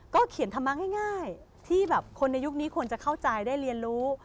เขียนธรรมะง่ายที่แบบคนในยุคนี้ควรจะเข้าใจได้เรียนรู้